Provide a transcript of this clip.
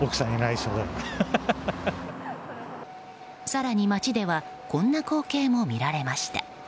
更に街ではこんな光景も見られました。